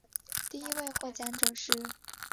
第一位获奖者是。